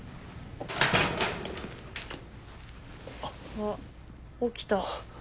あっ起きた。